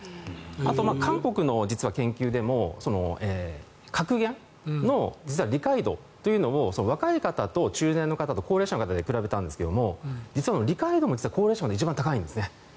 あと、韓国の研究でも格言の理解度というのを若い方と中年の方、高齢者と比べたんですが理解度も、実は高齢者のほうが一番高いんですね。